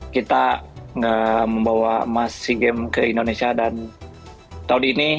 kita membawa emas sea games ke indonesia dan tahun ini